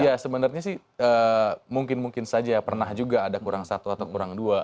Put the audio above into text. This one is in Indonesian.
ya sebenarnya sih mungkin mungkin saja pernah juga ada kurang satu atau kurang dua